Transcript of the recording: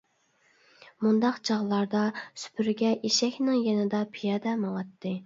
مۇنداق چاغلاردا سۈپۈرگە ئېشەكنىڭ يېنىدا پىيادە ماڭاتتى.